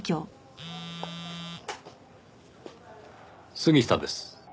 杉下です。